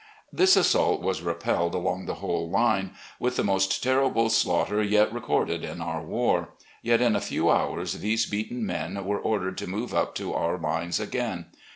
This assault was repelled along the whole line, with the most terrible slaughter yet recorded in our war. Yet in a few hours these beaten men were ordered to move up to our lines again.